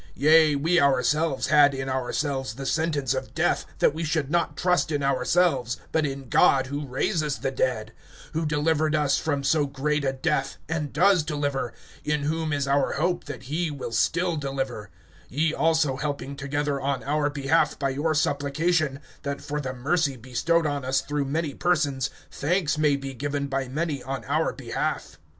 (9)Yea, we ourselves had in ourselves the sentence of death, that we should not trust in ourselves, but in God who raises the dead; (10)who delivered us from so great a death, and does deliver; in whom is our hope that he will still deliver; (11)ye also helping together on our behalf by your supplication, that for the mercy bestowed on us through many persons, thanks may be given by many on our behalf.